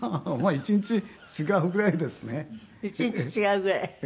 １日違うぐらい。